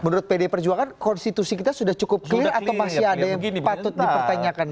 menurut pd perjuangan konstitusi kita sudah cukup clear atau masih ada yang patut dipertanyakan